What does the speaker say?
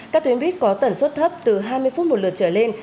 các tuyến buýt có tần suất thấp từ hai mươi phút một lượt trở lên